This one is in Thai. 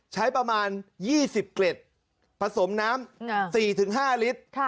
ใช้ประมาณ๒๐เกล็ดผสมน้ำ๔๕ลิตร